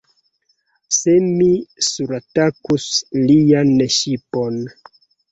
Se mi suratakus lian ŝipon!